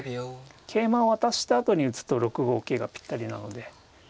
桂馬を渡したあとに打つと６五桂がぴったりなので。